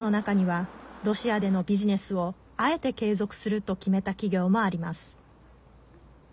一方、ＩＴ企業の中にはロシアでのビジネスをあえて継続すると決めた企業もあります。